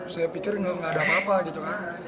saya pikir nggak ada apa apa gitu kan